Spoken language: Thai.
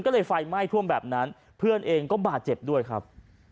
ก็เลยไฟไหม้ท่วมแบบนั้นเพื่อนเองก็บาดเจ็บด้วยครับ